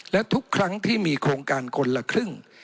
และทุกครั้งที่มีโครงการคนละครึ่ง